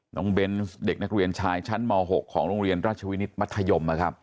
เบนส์เด็กนักเรียนชายชั้นม๖ของโรงเรียนราชวินิตมัธยมนะครับ